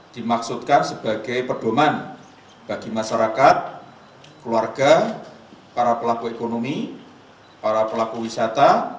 dimaksudkan sebagai pedoman bagi masyarakat keluarga para pelaku ekonomi para pelaku wisata